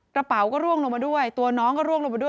กระเป๋าก็ร่วงลงมาด้วยตัวน้องก็ร่วงลงมาด้วย